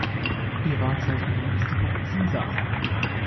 Ihr Wahrzeichen ist die Burg Ziesar.